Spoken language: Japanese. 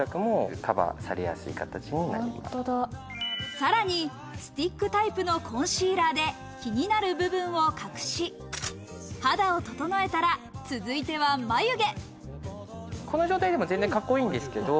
さらにスティックタイプのコンシーラーで気になる部分を隠し、肌を整えたら、続いては眉毛。